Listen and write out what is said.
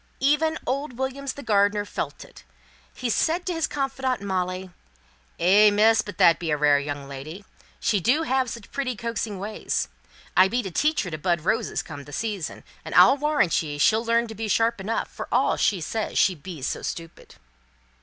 Even old Williams, the gardener, felt it; he said to his confidante, Molly "Eh, miss, but that be a rare young lady! She do have such pretty coaxing ways. I be to teach her to bud roses come the season and I'll warrant ye she'll learn sharp enough, for all she says she bees so stupid."